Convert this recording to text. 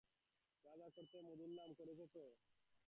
যা যা করতে মুদুল্লাম, করেছ তো?